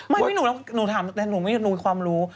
ไม่พี่หนูถามแต่หนูไม่มีความรู้